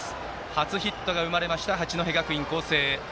初ヒットが生まれた八戸学院光星。